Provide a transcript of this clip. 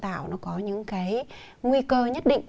thận nhân tạo nó có những cái nguy cơ nhất định